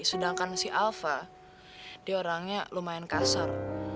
sedangkan si alpha dia orangnya lumayan kasar